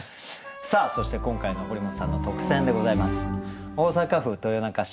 さあそして今回の堀本さんの特選でございます。